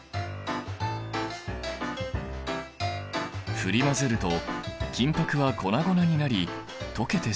振り混ぜると金ぱくは粉々になり溶けてしまう。